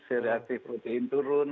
seri aktif protein turun